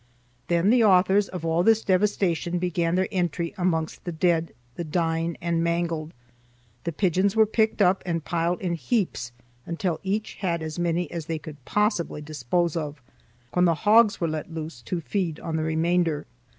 "Then the authors of all this devastation began their entry amongst the dead, the dying and mangled. The pigeons were picked up and piled in heaps until each had as many as they could possible dispose of, when the hogs were let loose to feed on the remainder.